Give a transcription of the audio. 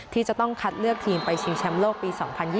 ที่จะต้องคัดเลือกทีมไปชิงแชมป์โลกปี๒๐๒๐